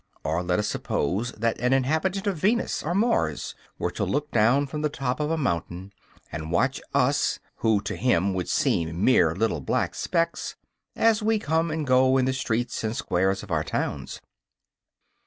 Or let us suppose that an inhabitant of Venus or Mars were to look down from the top of a mountain, and watch us, who to him would seem mere little black specks, as we come and go in the streets and squares of our towns.